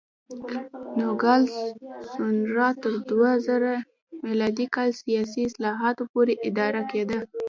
نوګالس سونورا تر دوه زره م کال سیاسي اصلاحاتو پورې اداره کېده.